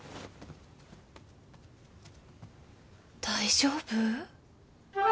大丈夫？